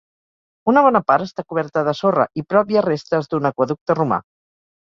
Una bona part està coberta de sorra i prop hi ha restes d'un aqüeducte romà.